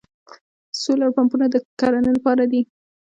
سولر پمپونه د کرنې لپاره دي.